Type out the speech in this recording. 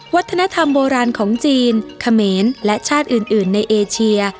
วัฒนธรรมโบราณของจีนเขมรและชาติอื่นในเอเชีย